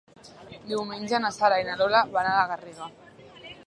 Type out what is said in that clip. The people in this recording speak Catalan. Diumenge na Sara i na Lola van a la Garriga.